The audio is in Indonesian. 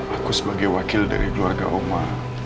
aku sebagai wakil dari keluarga oma